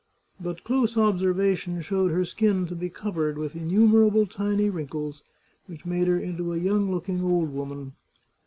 But close ob servation showed her skin to be covered with innumerable tiny wrinkles, which made her into a young looking old woman.